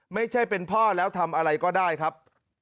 ไม่ใช่เป็นพ่อแล้วทำอะไรก็ได้ครับ